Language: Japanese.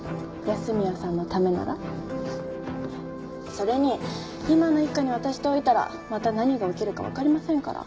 それに今の一課に渡しておいたらまた何が起きるかわかりませんから。